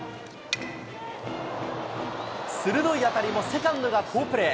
鋭い当たりもセカンドが好プレー。